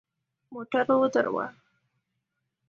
موټر ودروه !